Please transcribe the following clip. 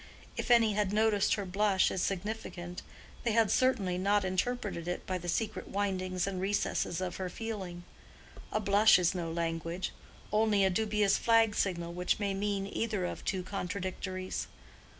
If any had noticed her blush as significant, they had certainly not interpreted it by the secret windings and recesses of her feeling. A blush is no language: only a dubious flag signal which may mean either of two contradictories.